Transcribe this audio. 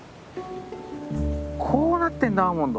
こうなってんだアーモンド。